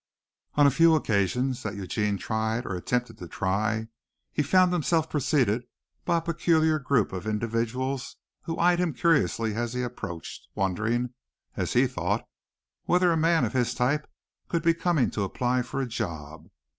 On a few occasions that Eugene tried or attempted to try, he found himself preceded by peculiar groups of individuals who eyed him curiously as he approached, wondering, as he thought, whether a man of his type could be coming to apply for a job.